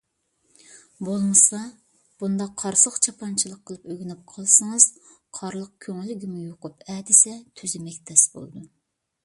بولمىسا، بۇنداق قارىسىغا چاپانچىلىق قىلىپ ئۆگىنىپ قالسىڭىز قارىلىق كۆڭۈلگىمۇ يۇقۇپ ئەدىسە تۈزىمەك تەس بولىدۇ.